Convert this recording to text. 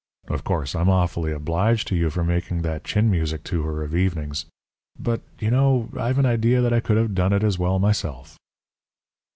Of course, I'm awfully obliged to you for making that chin music to her of evenings. But, do you know, I've an idea that I could have done it as well myself.'